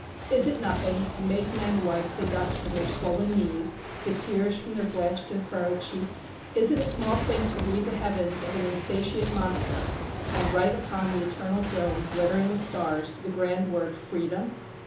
Is it nothing to make men wipe the dust from their swollen knees, the tears from their blanched and furrowed cheeks? Is it a small thing to reave the heavens of an insatiate monster and write upon the eternal dome, glittering with stars, the grand word Freedom?